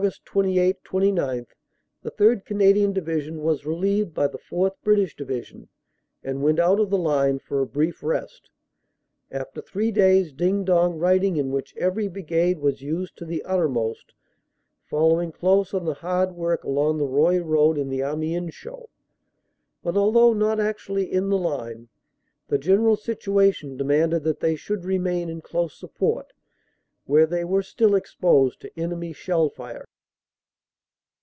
28 29 the 3rd. Canadian Division was relieved by the 4th. British Division and went out of the line for a brief rest, after three days ding dong righting in which every Brigade was used to the uttermost, following close on the hard work along the Roye road in the Amiens show. But although not actually in the line, the general situation de manded they should remain in close support, where they were still exposed to enemy shell fire.